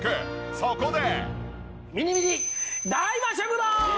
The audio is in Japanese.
そこで。